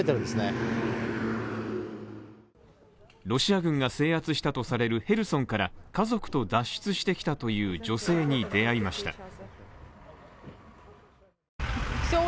ロシア軍が制圧したとされるヘルソンから家族と脱出してきたという女性に出会いました。